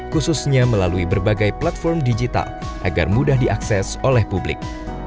khususnya melalui berbagai platform digital agar mudah diakses oleh publik